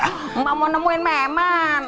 emak mau nemuin memang